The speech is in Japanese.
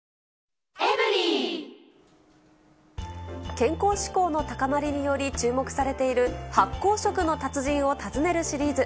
健康志向の高まりにより、注目されている発酵食の達人を訪ねるシリーズ。